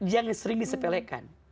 yang sering disepelekan